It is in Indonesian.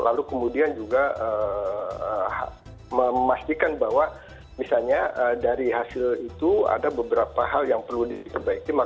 lalu kemudian juga memastikan bahwa misalnya dari hasil itu ada beberapa hal yang perlu diperbaiki